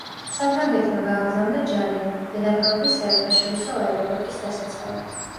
საფრანგეთმა გააგზავნა ჯარი დედაქალაქის საერთაშორისო აეროპორტის დასაცავად.